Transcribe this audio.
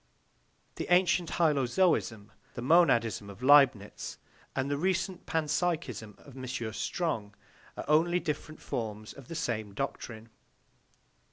The ancient hylozoism, the monadism of Leibnitz, and the recent panpsychism of M. Strong are only different forms of the same doctrine.